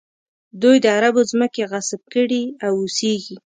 دوی د عربو ځمکې غصب کړي او اوسېږي.